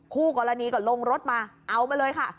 คู่กรณีก็ลงรถมาเอามาเลยค่ะ